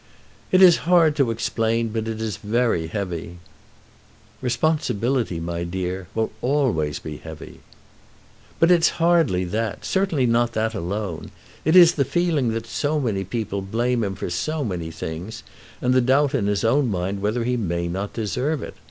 "It is hard to explain, but it is very heavy." "Responsibility, my dear, will always be heavy." "But it is hardly that; certainly not that alone. It is the feeling that so many people blame him for so many things, and the doubt in his own mind whether he may not deserve it.